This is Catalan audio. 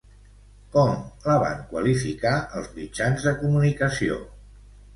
Com la van qualificar els mitjans de comunicació?